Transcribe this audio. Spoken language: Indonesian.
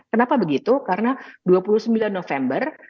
kenapa begitu karena dua puluh sembilan november